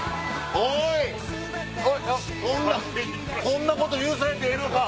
こんなこと許されてええのか？